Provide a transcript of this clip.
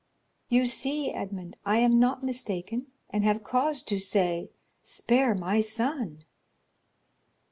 "You see, Edmond, I am not mistaken, and have cause to say, 'Spare my son!